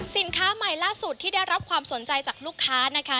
สินค้าใหม่ล่าสุดที่ได้รับความสนใจจากลูกค้านะคะ